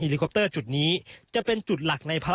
อันนี้คือเต็มร้อยเปอร์เซ็นต์แล้วนะครับ